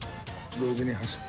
同時に走って。